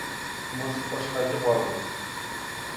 موږ خوشحالي غواړو